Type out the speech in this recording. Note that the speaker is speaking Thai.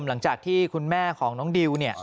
หลังจากที่คุณแม่ของน้องดิวเนี่ย